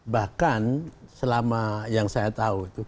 bahkan selama yang saya tahu itu